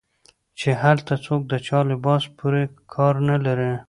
چې هلته څوک د چا لباس پورې کار نه لري